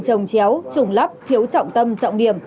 trồng chéo trùng lắp thiếu trọng tâm trọng điểm